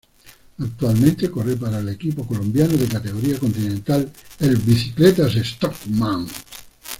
Actualmente corre para el equipo colombiano de categoría Continental el Bicicletas Strongman.